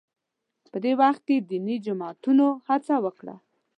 په دې وخت کې دیني جماعتونو هڅه وکړه